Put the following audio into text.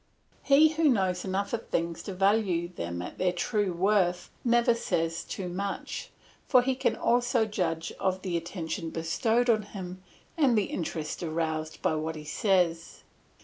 He who knows enough of things to value them at their true worth never says too much; for he can also judge of the attention bestowed on him and the interest aroused by what he says.